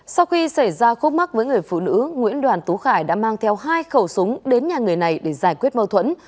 sau khi xảy ra khúc mắc với người phụ nữ nguyễn đoàn tú khải đã mang theo hai khẩu súng đến nhà người này để giải quyết mâu thuẫn